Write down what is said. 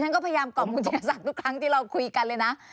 ฉะนั้นก็พยายามกรรมคุณธิศสัครุแล้วคุยกันเลยนะ